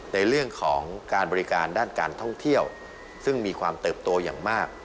ในเรื่องของการบริการด้านการท่องเที่ยวซึ่งมีความเติบโตอย่างมาก